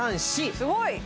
すごい！